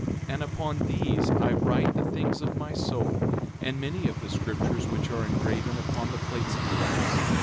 4:15 And upon these I write the things of my soul, and many of the scriptures which are engraven upon the plates of brass.